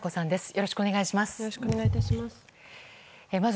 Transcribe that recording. よろしくお願いします。